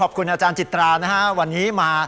แล้วมาถามที่มาวัตถุดิบ